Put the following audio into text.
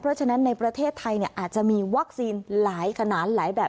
เพราะฉะนั้นในประเทศไทยอาจจะมีวัคซีนหลายขนาดหลายแบบ